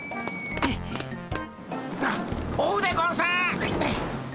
あっ追うでゴンス！